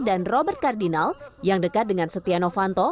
dan robert kardinal yang dekat dengan setia novanto